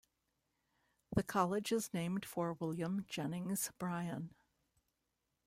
The college is named for William Jennings Bryan.